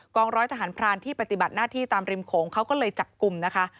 องร้อยทหารพรานที่ปฏิบัติหน้าที่ตามริมโขงเขาก็เลยจับกลุ่มนะคะ